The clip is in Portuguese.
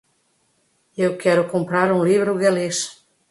Eu quero comprar um livro galês.